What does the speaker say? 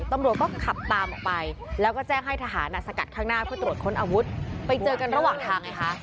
ตำรวจก็ขับตามออกไป